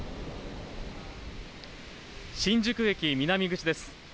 新宿駅南口です。